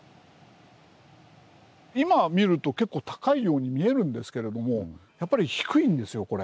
今見ると結構高いように見えるんですけれどもやっぱり低いんですよこれ。